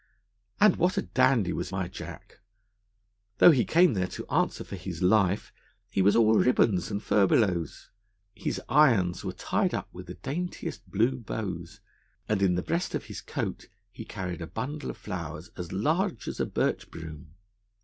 And what a dandy was my Jack! Though he came there to answer for his life, he was all ribbons and furbelows. His irons were tied up with the daintiest blue bows, and in the breast of his coat he carried a bundle of flowers as large as a birch broom.